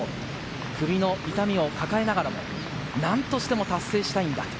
首の痛みを抱えながらも何としても達成したいんだ。